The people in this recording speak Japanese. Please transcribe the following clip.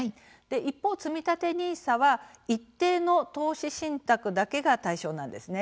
一方、つみたてＮＩＳＡは一定の投資信託だけが対象なんですね。